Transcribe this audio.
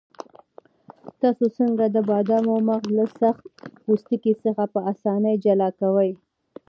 تاسو څنګه د بادامو مغز له سخت پوستکي څخه په اسانۍ جلا کوئ؟